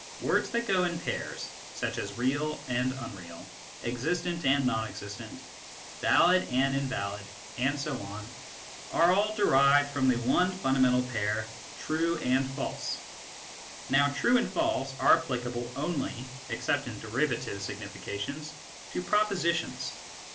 Words that go in pairs, such as " real " and "unreal," "existent" and "non existent," "valid" and " invalid," etc., are all derived from the one funda mental pair, "true" and "false." Now "true" and " false " are applicable only except in derivative signifi cations to propositions.